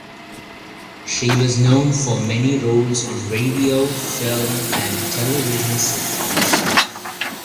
She was known for many roles on radio, film and television sitcoms.